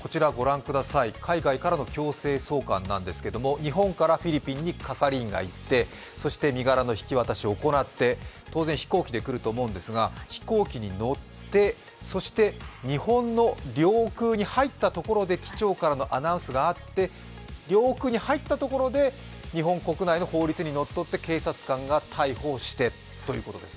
海外からの強制送還なんですけれども、日本からフィリピンに係員が行って身柄の引き渡しを行って当然、飛行機で来ると思うんですが飛行機に乗って、そして日本の領空に入ったところで機長からのアナウンスによって領空に入ったところで日本国内の法律にのっとって警察官が逮捕してということです。